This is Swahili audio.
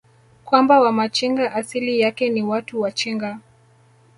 kwamba Wamachinga asili yake ni Watu wa chinga